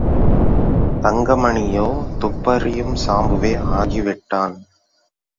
தங்கமணியோ துப்பறியும் சாம்புவே ஆகிவிட்டான்.